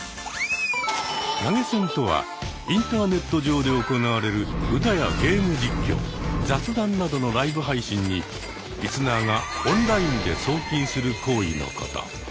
投げ銭とはインターネット上で行われる歌やゲーム実況雑談などのライブ配信にリスナーがオンラインで送金する行為のこと。